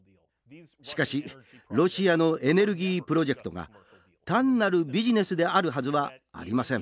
しかしロシアのエネルギープロジェクトが単なるビジネスであるはずはありません。